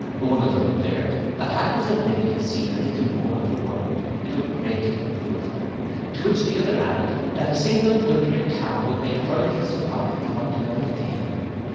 One of them observed, that had miss Olivia seen a little more of the world, it would greatly improve her. To which the other added, that a single winter in town would make her little Sophia quite another thing.